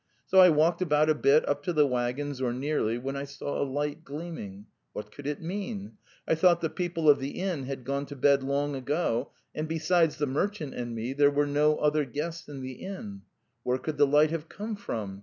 So I walked about a bit up to the waggons, or nearly, when I saw a light gleaming. What could it mean? I thought the people of the inn had gone to bed long ago, and besides the merchant and me there were no other guests in the inn. ... Where could the light have come from?